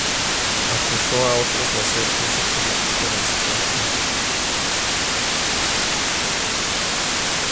Acusó a otros de hacer un uso político del secuestro.